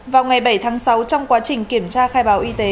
vào ngày bảy tháng sáu trong quá trình kiểm tra khai báo y tế